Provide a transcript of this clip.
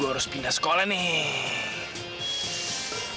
harus pindah sekolah nih